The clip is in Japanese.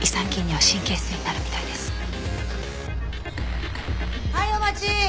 はいお待ち。